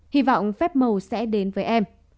hy vọng phép mầu sẽ đến với em